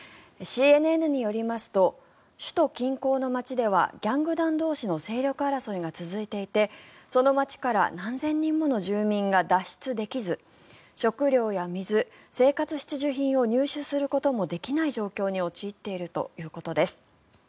ＣＮＮによりますと首都近郊の街ではギャング団同士の勢力争いが続いていてその街から何千人もの住民が脱出できず食料や水、生活必需品を入手することもできない状況に陥っているということです。